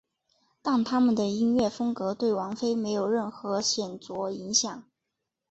但他们的音乐风格对王菲没有任何显着影响。